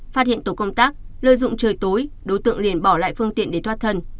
phát hiện tổ công tác lợi dụng trời tối đối tượng liền bỏ lại phương tiện để thoát thân